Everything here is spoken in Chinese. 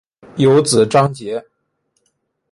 有子章碣。